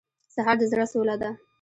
سهار د زړه سوله ده.